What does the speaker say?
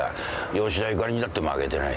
吉田ゆかりにだって負けてない。